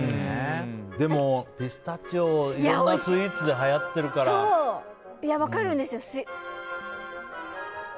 でも、ピスタチオいろんなスイーツでそう。分かるんですよ。